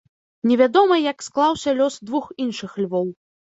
Не вядома, як склаўся лёс двух іншых львоў.